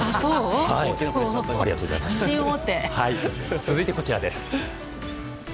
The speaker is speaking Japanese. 続いて、こちらです。